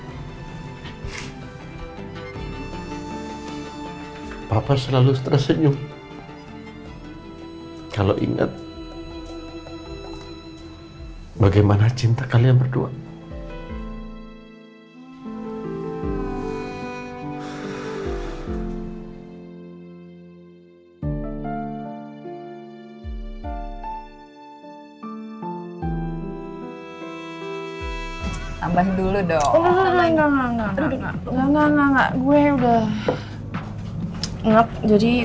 tambah dulu dong enggak enggak enggak enggak enggak enggak gue udah enak jadi